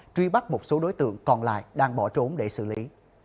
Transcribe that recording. truy bắt một số đối tượng còn lại đang bỏ trốn để xử lý